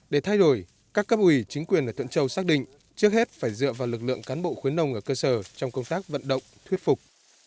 để thay đổi các cấp ủy chính quyền ở thuận châu xác định trước hết phải dựa vào lực lượng cán bộ khuyến nông ở cơ sở trong công tác vận động thuyết phục